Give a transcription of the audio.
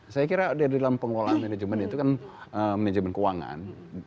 saya kira di dalam pengelolaan manajemen itu kan manajemen keuangan